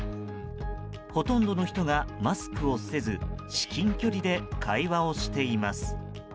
ほとんどの人がマスクをせず至近距離で会話をしています。